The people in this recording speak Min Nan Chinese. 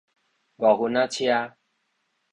五分仔車